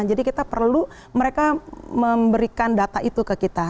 jadi kita perlu mereka memberikan data itu ke kita